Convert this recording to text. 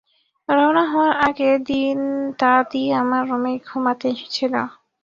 রওনা হওয়ার আগের দিন, দাদী আমার রুমে ঘুনাতে এসেছিল।